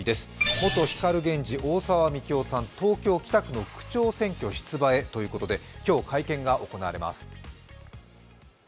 元光ＧＥＮＪＩ、大沢樹生さん、東京・北区の区長選挙出馬へということで今日、会見が行われます。